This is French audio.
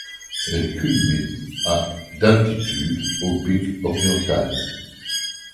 Elle culmine à d'altitude au pic oriental.